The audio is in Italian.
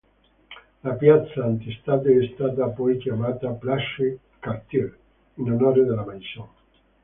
La piazza antistante è stata poi chiamata "Place Cartier" in onore della maison.